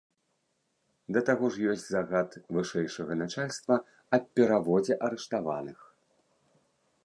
Да таго ж ёсць загад вышэйшага начальства аб пераводзе арыштаваных.